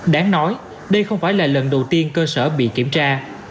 đáng nói đây không phải là lần đầu tiên cơ sở bị kiểm tra